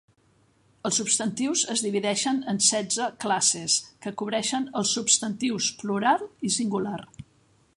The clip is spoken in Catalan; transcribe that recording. Els substantius es divideixen en setze classes, que cobreixen els substantius plural i singular.